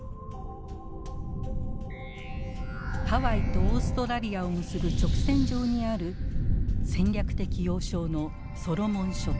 ハワイとオーストラリアを結ぶ直線上にある戦略的要衝のソロモン諸島。